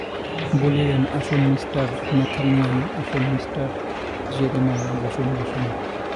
বলিলেন, আসুন mister Nathaniel, আসুন মিস্টার জেরেমায়া, বসুন বসুন!